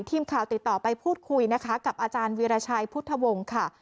ทีมข่าวติดต่อไปพูดคุยนะคะกับอาจารย์วีรชัยพุทธวงศ์ค่ะ